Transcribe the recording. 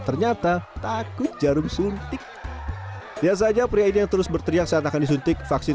ternyata takut jarum suntik lihat saja pria ini yang terus berteriak saat akan disuntik vaksin